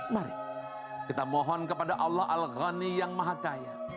mari kita mohon kepada allah al ghani yang maha kaya